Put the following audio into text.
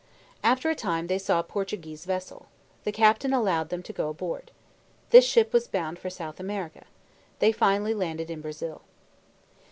After a time they saw a Portuguese vessel. The captain allowed them to go aboard. This ship was bound for South America. They finally landed in Brazil.